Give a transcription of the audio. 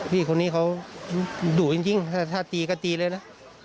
พี่คนนี้เขาดุจริงถ้าตีก็ตีเลยนะ